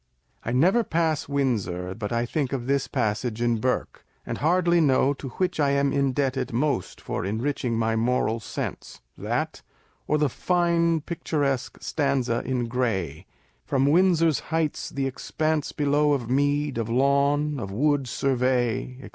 I never pass Windsor but I think of this passage in Burke, and hardly know to which I am indebted most for enriching my moral sense, that or the fine picturesque stanza in Gray, From Windsor's heights the expanse below Of mead, of lawn, of wood survey, &c.